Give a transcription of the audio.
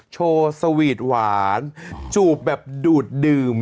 โชว์สวีทหวานจูบแบบดูดดื่ม